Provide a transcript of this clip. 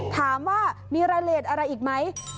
ถามว่ามีรายละเอียดอะไรอีกไหม